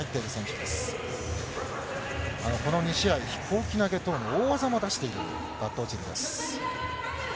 この２試合、飛行機投げ等の大技も出しているバットオチルです。